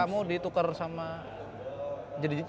kamu ditukar sama